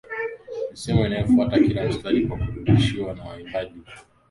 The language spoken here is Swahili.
misemo inayofuata kila mstari kwa kurudiwarudiwa na waimbaji kukabiliana na mistari yao